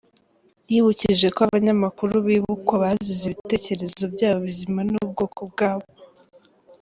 Yibibukije ko Abanyamakuru bibukwa bazize ibitekerezo byabo bizima n’ubwoko bwabo.